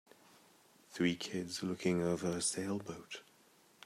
Three kids looking over a sailboat.